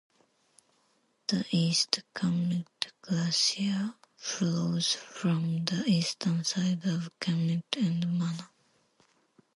The East Kamet Glacier flows from the eastern side of Kamet and Mana.